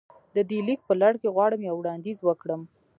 د دې ليک په لړ کې غواړم يو وړانديز وکړم.